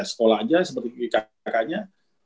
sekolah aja seperti kakaknya